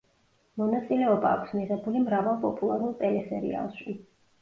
მონაწილეობა აქვს მიღებული მრავალ პოპულარულ ტელესერიალში.